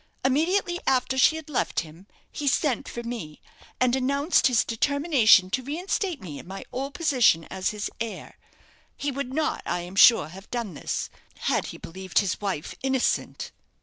Immediately after she had left him, he sent for me, and announced his determination to reinstate me in my old position as his heir. He would not, I am sure, have done this, had he believed his wife innocent."